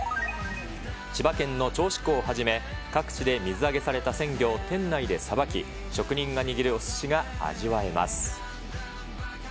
千葉県の銚子港をはじめ、各地で水揚げされた鮮魚を店内でさばき、職人が握るおすしが味わえます。